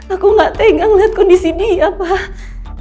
aku gak tegang ngeliat kondisi dia pak